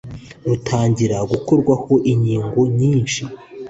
rutangira gukorwaho inyigo yinshyi